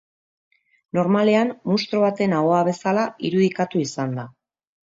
Normalean munstro baten ahoa bezala irudikatu izan da.